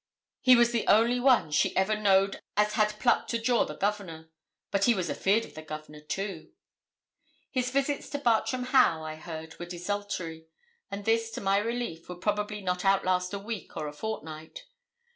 He was the only one 'she ever knowed as had pluck to jaw the Governor.' But he was 'afeard on the Governor, too.' His visits to Bartram Haugh, I heard, were desultory; and this, to my relief, would probably not outlast a week or a fortnight.